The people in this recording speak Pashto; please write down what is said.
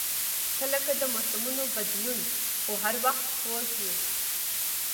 • ته لکه د موسمونو بدلون، خو هر وخت خوږ یې.